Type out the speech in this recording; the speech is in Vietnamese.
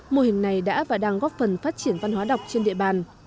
mô hình này đã và đang góp phần phát triển văn hóa đọc trên địa bàn